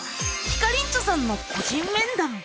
ひかりんちょさんの個人面談！